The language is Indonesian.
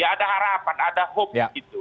ya ada harapan ada hope gitu